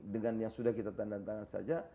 dengan yang sudah kita tandatangan saja